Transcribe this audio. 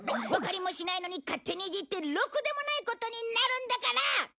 わかりもしないのに勝手にいじってろくでもないことになるんだから！